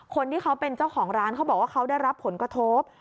คนที่เขาเป็นเจ้าของร้านเขาบอกว่าเขาได้รับผลกระทบ